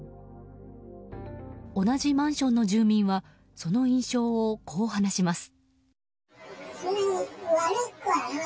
同じマンションの住民はその印象をこう話します。